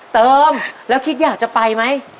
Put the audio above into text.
เติมแล้วคิดอยากจะไปไหม